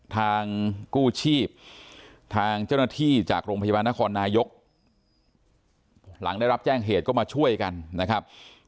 ทางกู้ชีพทางเจ้าหน้าที่จากโรงพยาบาลนครนายกหลังได้รับแจ้งเหตุก็มาช่วยกันนะครับ